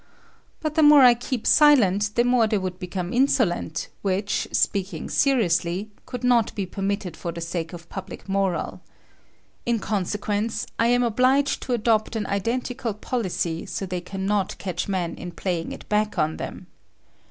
But the more I keep silent the more they would become insolent, which, speaking seriously, could not be permitted for the sake of public morale. In consequence, I am obliged to adopt an identical policy so they cannot catch men in playing it back on them.